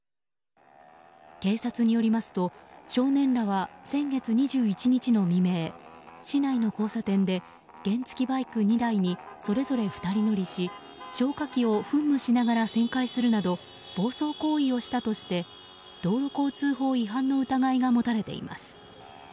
警察によりますと少年らは先月２１日の未明市内の交差点で原付きバイク２台にそれぞれ２人乗りし消火器を噴霧しながら旋回するなど暴走行為をしたとして道路交通法違反の疑いが持たれています。